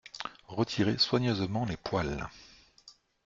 Retirer soigneusement les poils